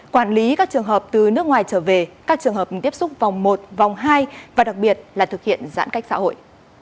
quản lý các trường hợp từ nước ngoài trở về các trường hợp tiếp xúc vòng một vòng hai và đặc biệt là thực hiện giãn cách xã hội